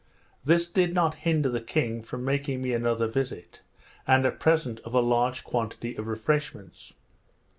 This did not hinder the king from making me another visit, and a present of a large quantity of refreshments.